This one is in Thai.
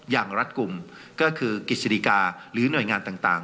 รัดกลุ่มก็คือกฤษฎิกาหรือหน่วยงานต่าง